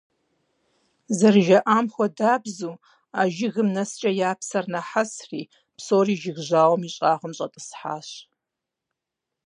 ЗэрыжаӀам хуэдабзэу, а жыгым нэскӀэ «я псэр нахьэсри», псори жыг жьауэм и щӀагъым щӀэтӀысхьащ.